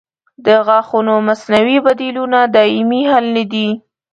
د غاښونو مصنوعي بدیلونه دایمي حل نه دی.